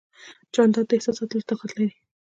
جانداد د احساساتو لطافت لري.